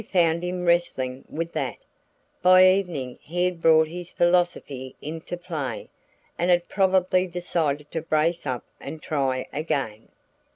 You found him wrestling with that. By evening he had brought his philosophy into play, and had probably decided to brace up and try again.